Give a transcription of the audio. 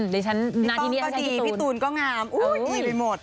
พี่ตูนก็ดีพี่ตูนก็งามทีไปหมด